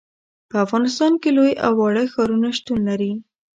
په افغانستان کې لوی او واړه ښارونه شتون لري.